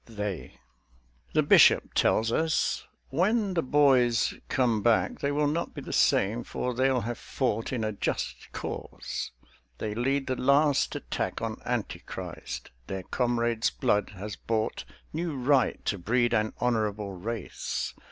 "THEY" The Bishop tells us: "When the boys come back They will not be the same; for they'll have fought in a just cause: they lead the last attack On Anti Christ; their comrade's blood has bought New right to breed an honourable race.